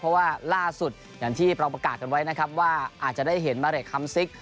เพราะว่าล่าสุดอย่างที่เราประกาศกันว่าจะได้เห็นมาเด็ดคำซิก